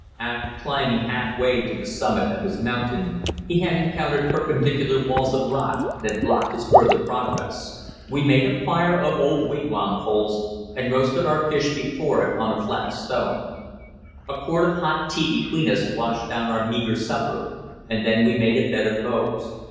After climbing half way to the summit of his mountain, he had encountered perpendicular walls of rock that blocked his further progress. We made a fire of old wigwam poles, and roasted our fish before it on a flat stone. A quart of hot tea between us washed down our meagre supper, and then we made a bed of boughs.